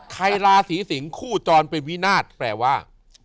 ราศีสิงศ์คู่จรเป็นวินาศแปลว่า